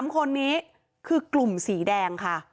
๓คนนี้คือกลุ่มสีแดงค่ะ